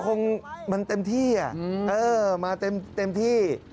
อ๋อคงมันเต็มที่เออมาเต็มที่